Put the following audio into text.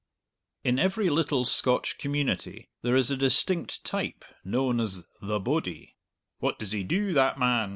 In every little Scotch community there is a distinct type known as "the bodie." "What does he do, that man?"